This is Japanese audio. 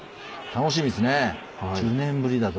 楽しみですね。